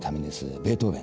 ベートーベン。